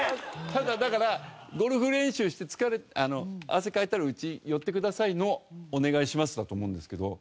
ただだからゴルフ練習して汗かいたらうち寄ってくださいの「お願いします」だと思うんですけど。